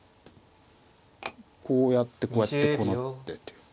こうやってこうやってこう成って。